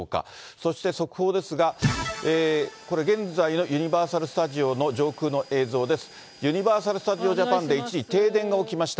そして速報ですが、これ、現在のユニバーサル・スタジオの上空の映像です。